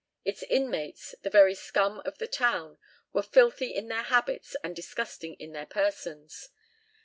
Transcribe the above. Its inmates the very scum of the town were filthy in their habits and disgusting in their persons.